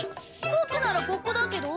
ボクならここだけど？